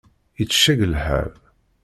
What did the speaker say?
Itecceg lḥal.